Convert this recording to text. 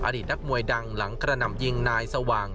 ตนักมวยดังหลังกระหน่ำยิงนายสว่าง